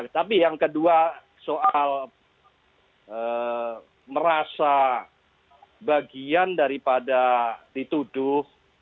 tapi yang kedua soal merasa bagian daripada dituduh